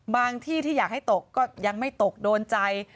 ที่ที่อยากให้ตกก็ยังไม่ตกโดนใจ